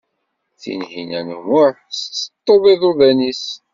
Tinhinan u Muḥ tetteṭṭeḍ iḍuḍan-ines.